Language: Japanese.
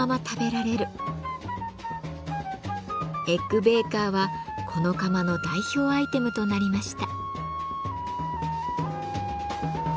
エッグ・ベーカーはこの窯の代表アイテムとなりました。